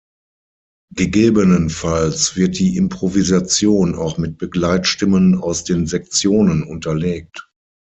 Gegebenenfalls wird die Improvisation auch mit Begleitstimmen aus den Sektionen unterlegt.